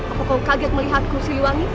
apa kau kaget melihatku siliwangi